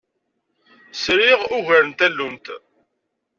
Sriɣ ugar n tallunt.